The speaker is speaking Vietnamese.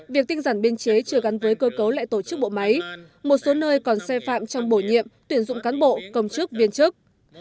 việc tinh giản biên chế chưa gắn với cơ cấu lại tổ chức bộ máy một số nơi còn xe phạm trong bổ nhiệm tuyển dụng cán bộ công chức viên chức